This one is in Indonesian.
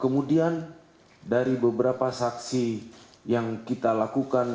kemudian dari beberapa saksi yang kita lakukan